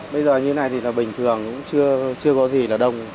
bây giờ như thế này thì là bình thường chưa có gì là đông